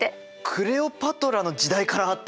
クレオパトラの時代からあったの？